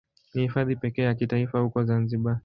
Ni Hifadhi pekee ya kitaifa huko Zanzibar.